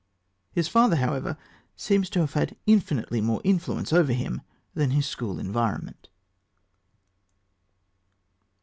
His father, however, seems to have had infinitely more influence over him than his school environment.